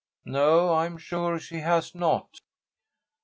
"No, I am sure she has not."